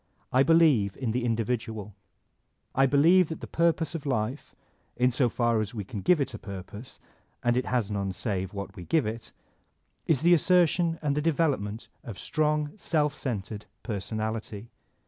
I believe in the individual. I believe that the purpose of life (in so far as we can give it a purpose, and it has none save what we give it) is the assertion and the development of strong, self centered personality.